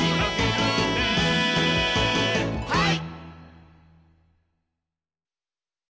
はい！